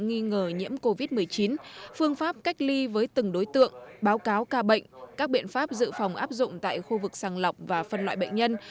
nghi ngờ nhiễm covid một mươi chín phương pháp cách ly với từng đối tượng báo cáo ca bệnh các biện pháp dự phòng áp dụng tại khu vực sàng lọc và phân loại bệnh nhân